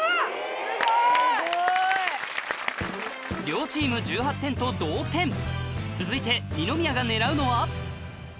両チーム１８点と同点続いて二宮が狙うのは？